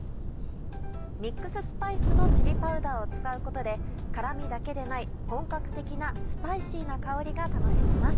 ミックススパイスのチリパウダーを使うことで辛みだけでない本格的なスパイシーな香りが楽しめます。